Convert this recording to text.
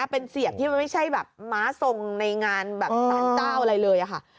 เป็นเสียบที่มันไม่ใช่แบบม้าทรงในงานแบบสารเจ้าอะไรเลยค่ะ